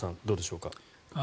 どうでしょうか。